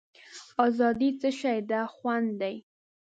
آزادي څه شی ده خوند دی.